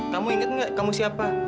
kamu inget nggak kamu siapa